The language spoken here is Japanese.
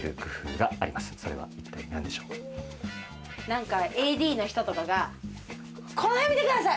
何かＡＤの人とかが。